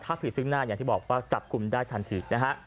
ถ้าผิดซึ่งหน้าอย่างที่บอกว่าจับกลุ่มได้ทันทีนะฮะ